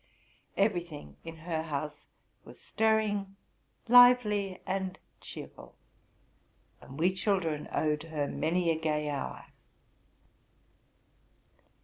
Eyery thing in her house was stirring, lively, and cheerful ; and we children owed her many a gay 'hour.